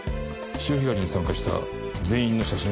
潮干狩りに参加した全員の写真を集めろ。